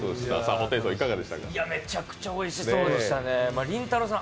めちゃくちゃおいしそうでしたね、りんたろーさん